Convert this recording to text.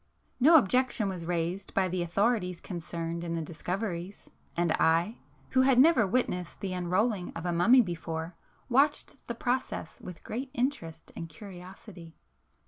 No objection was raised by the authorities concerned in the discoveries,—and I, who had never witnessed the unrolling of a mummy before, watched the process with great interest and curiosity.